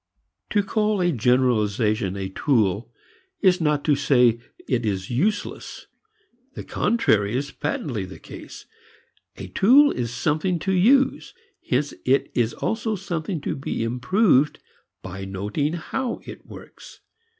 To call a generalization a tool is not to say it is useless; the contrary is patently the case. A tool is something to use. Hence it is also something to be improved by noting how it works.